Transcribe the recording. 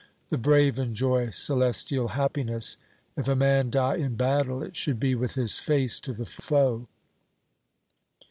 The brave enjoy celestial happiness. If a man die in battle, it should be with his face to the foe.'